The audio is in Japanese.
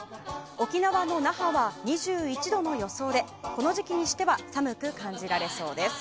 沖縄も那覇は２１度の予想でこの時期にしては寒く感じられそうです。